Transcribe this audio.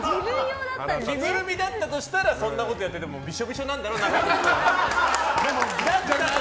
着ぐるみだったとしたらそんなことやっててもびしょびしょなんだろ、中身は。